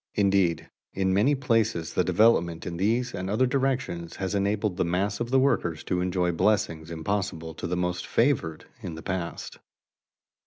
Indeed, in many places the development in these and other directions has enabled the mass of the workers to enjoy blessings impossible to the most favored in the past.